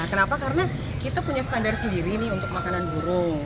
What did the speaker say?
kenapa karena kita punya standar sendiri nih untuk makanan burung